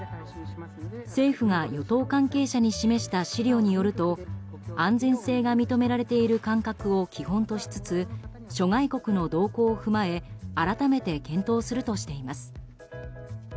政府が与党関係者に示した資料によると安全性が認められている間隔を基本としつつ諸外国の動向を踏まえ改めて検討するとしています。